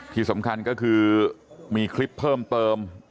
ที่สำคัญก็คือมีคลิปเพิ่มเติม